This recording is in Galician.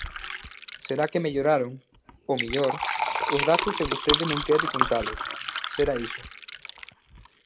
Será que melloraron, ao mellor, os datos e vostede non quere contalos, será iso.